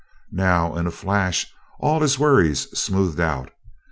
Now in a flash all his worries smoothed out.